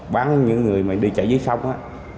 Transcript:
bán những người mà đi chạy dưới sông á